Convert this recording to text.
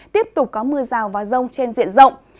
tiếp tục có mưa rào và rông trên diện rộng